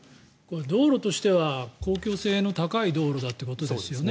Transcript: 道路としては公共性が高い道路ということですよね